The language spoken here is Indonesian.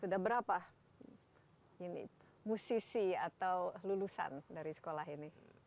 sudah berapa musisi atau lulusan dari sekolah ini